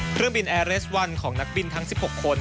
เครื่องบินแอร์เรสวันของนักบินทั้ง๑๖คน